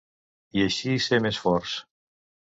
I així ser més forts.